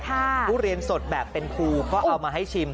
ทุเรียนสดแบบเป็นภูก็เอามาให้ชิม